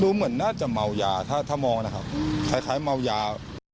เหมือนน่าจะเมายาถ้าถ้ามองนะครับคล้ายเมายา